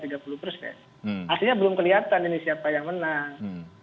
artinya belum kelihatan ini siapa yang menang